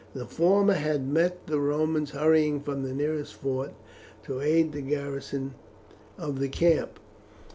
The former had met the Romans hurrying from the nearest fort to aid the garrison of the camp.